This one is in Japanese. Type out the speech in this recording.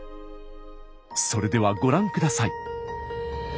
それではご覧ください。